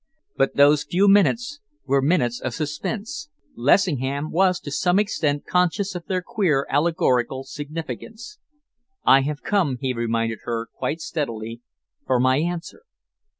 But those few minutes were minutes of suspense. Lessingham was to some extent conscious of their queer, allegorical significance. "I have come," he reminded her quite steadily, "for my answer."